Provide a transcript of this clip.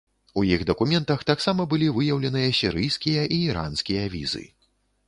У іх дакументах таксама былі выяўленыя сірыйскія і іранскія візы.